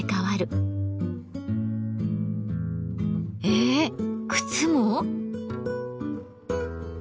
えっ靴も？